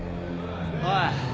おい。